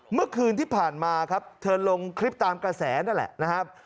เมื่อคืนที่ผ่านมาครับเธอลงคลิปตามกระแสนั่นแหละนะครับ